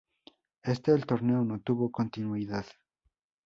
Este el torneo no tuvo continuidad.